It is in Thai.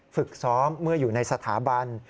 ฝึกซ้อมเมื่ออยู่ในสถาบัน